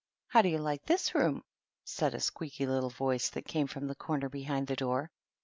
" How do you like this room ?" said a squeaky little voice that came from the corner behind the door.